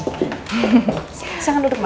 silahkan duduk ma